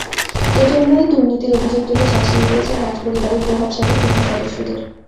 এ জন্যই দুর্নীতির অভিযোগ তুলে শাসিয়ে দিয়েছেন রাজপরিবারের প্রভাবশালী অন্য সদস্যদের।